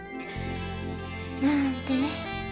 なんてね。